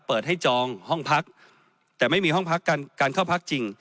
เปิดให้จองห้องพักแต่ไม่มีห้องพักการการเข้าพักจริง